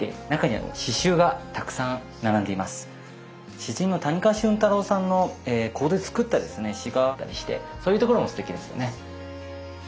詩人の谷川俊太郎さんのここで作った詩があったりしてそういうところもすてきですよね。